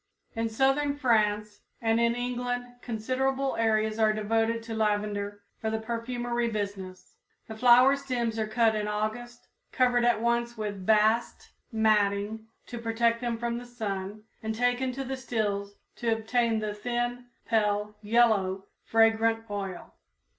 In southern France and in England considerable areas are devoted to lavender for the perfumery business. The flower stems are cut in August, covered at once with bast matting to protect them from the sun and taken to the stills to obtain the thin, pale yellow, fragrant oil.